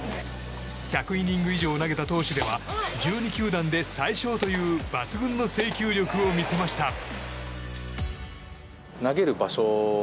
１００イニング以上投げた投手では１２球団で最少という抜群の制球力を見せました。